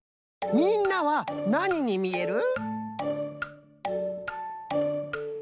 みんなはなににみえる？